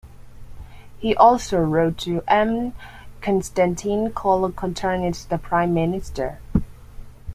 He also wrote to M. Constantine Colocotronis, the Prime Minister.